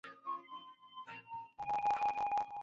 তুমি একা একাই খাচ্ছো।